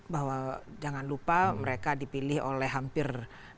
bahwa jangan lupa mereka dipilih oleh hampir